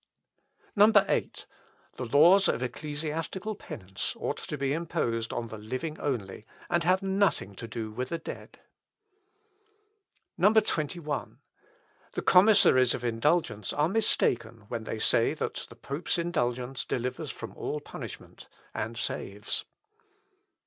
8. "The laws of ecclesiastical penance ought to be imposed on the living only, and have nothing to do with the dead. 21. "The commissaries of indulgence are mistaken when they say that the pope's indulgence delivers from all punishment and saves.